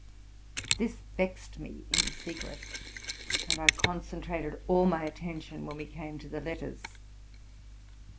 This vexed me in secret, and I concentrated all my attention when we came to the letters.